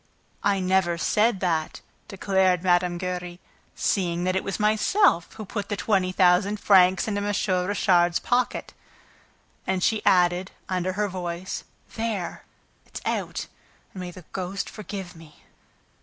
"I never said that," declared Mme. Giry, "seeing that it was myself who put the twenty thousand francs into M. Richard's pocket." And she added, under her voice, "There! It's out! ... And may the ghost forgive me!"